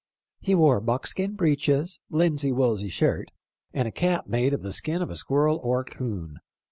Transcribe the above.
He wore buck skin breeches, linsey woolsey shirt, and a cap made of the skin of a squirrel or coon.